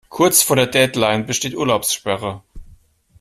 Kurz vor der Deadline besteht Urlaubssperre.